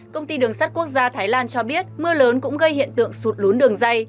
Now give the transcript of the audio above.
công ty đường sắt quốc gia thái lan cho biết mưa lớn cũng gây hiện tượng sụt lún đường dây